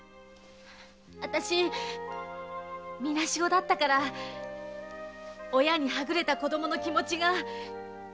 あたしみなし子だったから親にはぐれた子供の気持がよくわかるんだよ。